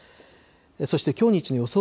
そしてきょう日中の予想